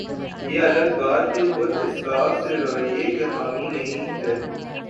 یہ الگ بات کہ خود اسلاف اس رویے کے حامی نہیں تھے۔